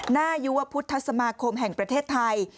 ยุวพุทธสมาคมแห่งประเทศไทย